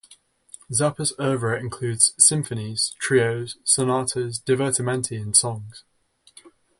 Zappa's oeuvre includes symphonies, trios, sonatas, divertimenti and songs.